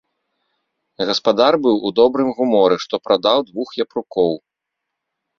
Гаспадар быў у добрым гуморы, што прадаў двух япрукоў.